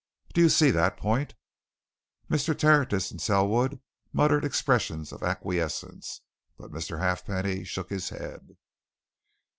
Do you see that point?" Mr. Tertius and Selwood muttered expressions of acquiescence, but Mr. Halfpenny shook his head.